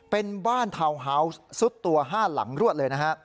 เป็นบ้านทาวน์ฮาวส์ซุดตัว๕หลังรวดเลยนะฮะ